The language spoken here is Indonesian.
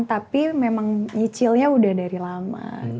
tapi memang nyicilnya udah dari lama